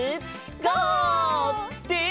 ゴー！って。